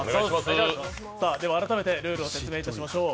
改めてルールを説明いたしましょう。